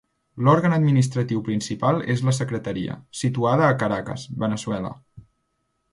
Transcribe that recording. L'òrgan administratiu principal és la secretaria, situada a Caracas, Veneçuela.